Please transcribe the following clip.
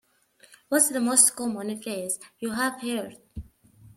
What's the most common phrase you've heard?